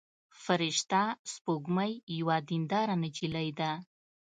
فرشته سپوږمۍ یوه دينداره نجلۍ ده.